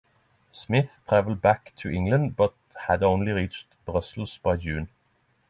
Smith travelled back to England but had only reached Brussels by June.